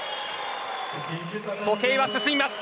時計は進みます。